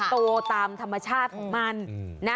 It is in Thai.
โตตามธรรมชาติของมันนะ